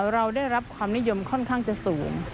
เราได้รับความนิยมค่อนข้างจะสูง